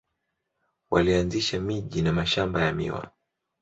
Walianzisha miji na mashamba ya miwa.